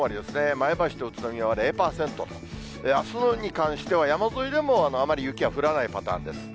前橋と宇都宮は０％、あすに関しては、山沿いでもあまり雪は降らないパターンです。